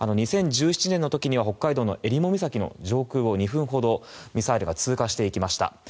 ２０１７年の時には北海道のえりも岬の上空を２分ほどミサイルが通過していきました。